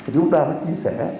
chúng tôi sẽ chia sẻ